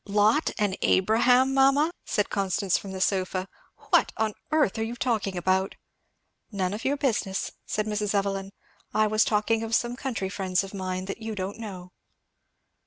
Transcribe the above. "Lot and Abraham, mamma!" said Constance from the sofa, "what on earth are you talking about?" "None of your business," said Mrs. Evelyn; "I was talking of some country friends of mine that you don't know."